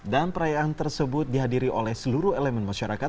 dan perayaan tersebut dihadiri oleh seluruh elemen masyarakat